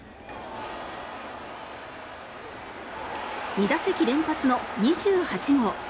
２打席連発の２８号。